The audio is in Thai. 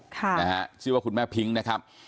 ค่ะนะฮะชื่อว่าคุณแม่พิ้งนะครับ